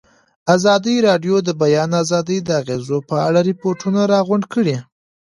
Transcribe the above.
ازادي راډیو د د بیان آزادي د اغېزو په اړه ریپوټونه راغونډ کړي.